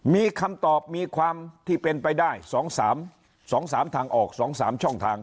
มีคำตอบมีความที่เป็นไปได้๒๓ทางออก๒๓ช่องทาง